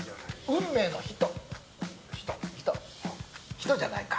人じゃないか。